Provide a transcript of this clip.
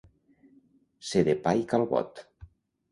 Ser de pa i calbot.